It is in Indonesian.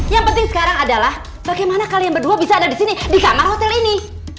yang penting sekarang adalah bagaimana kalian berdua bisa ada di sini di kamar hotel ini